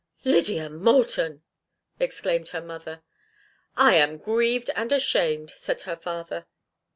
"Lydia Moulton!" exclaimed her mother. "I am grieved and ashamed," said her father.